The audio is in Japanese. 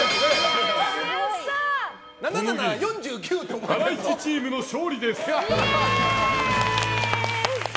このゲームハライチチームの勝利です！